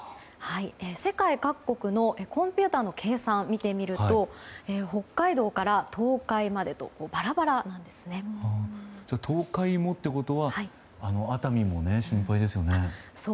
世界各国のコンピュータの計算を見てみると北海道から東海までと東海もということは熱海も心配ですよね。